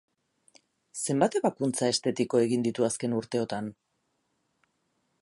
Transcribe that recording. Zenbat ebakuntza estetiko egin ditu azken urteotan?